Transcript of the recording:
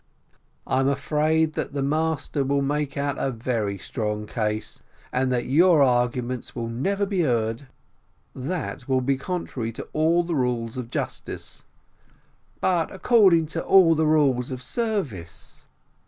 "I'm afraid that the master will make out a very strong case, and that your arguments will never be heard." "That will be contrary to all the rules of justice." "But according to all the rules of service."